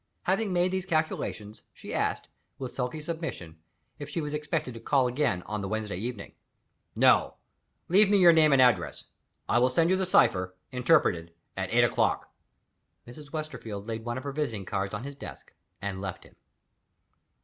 Having made these calculations, she asked, with sulky submission, if she was expected to call again on the Wednesday evening. "No. Leave me your name and address. I will send you the cipher, interpreted, at eight o'clock." Mrs. Westerfield laid one of her visiting cards on his desk, and left him.